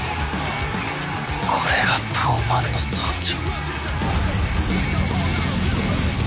これが東卍の総長。